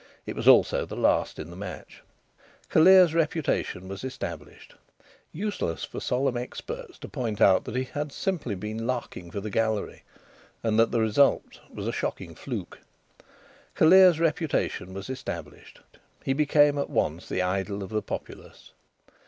(It was also the last in the match.) Callear's reputation was established. Useless for solemn experts to point out that he had simply been larking for the gallery, and that the result was a shocking fluke Callear's reputation was established. He became at once the idol of the populace.